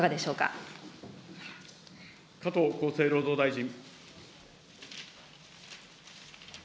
加藤厚生労働大臣。